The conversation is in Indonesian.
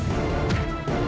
aku akan buktikan